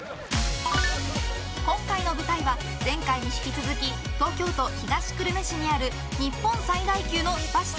今回の舞台は、前回に引き続き東京都東久留米市にある日本最大級のスパ施設